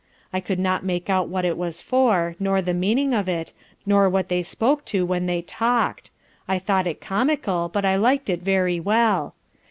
I could not make out what it was for, nor the meaning of it, nor what they spoke to when they talk'd I thought it comical, but I lik'd it very well.